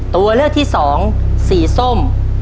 ตัวเลือกที่สองสีส้ม